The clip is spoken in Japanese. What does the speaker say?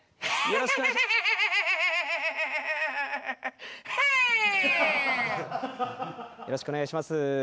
よろしくお願いします。